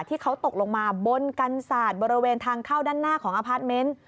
ที่เขาตกลงมาบนกันศาสตร์บริเวณทางเข้าด้านหน้าของอพาร์ทเมนต์